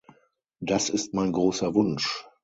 Das ist mein großer Wunsch.